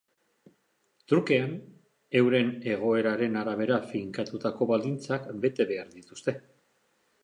Trukean, euren egoeraren arabera finkatutako baldintzak bete behar dituzte.